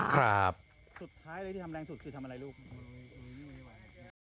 สุดท้ายเลยที่ทำแรงสุดคือทำอะไรลูก